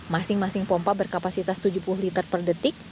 masing masing pompa berkapasitas tujuh puluh liter per detik